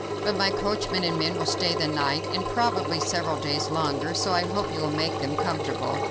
But my coachman and men will stay the night, and probably several days longer, so I hope you will make them comfortable."